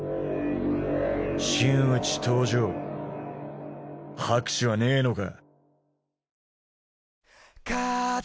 真打ち登場拍手はねえのか？